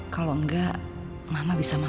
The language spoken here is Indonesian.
kalau enggak mama bisa makan